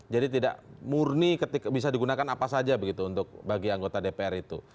jadi tidak murni ketika bisa digunakan apa saja untuk bagi anggota dpr itu